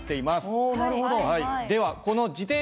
おなるほど。